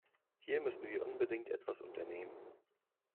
Hier müssen wir unbedingt etwas unternehmen.